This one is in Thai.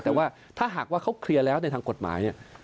แต่ว่าถ้าหากว่าเขาเคลียร์แล้วในทางกฎหมาย